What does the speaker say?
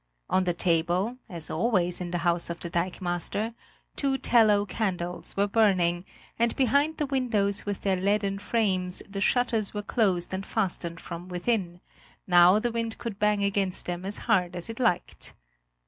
On the table, as always in the house of the dikemaster, two tallow candles were burning, and behind the windows with their leaden frames the shutters were closed and fastened from within; now the wind could bang against them as hard as it liked.